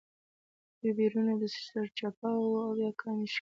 ویبریونونه د سرچپه واو یا کامي شکل لري.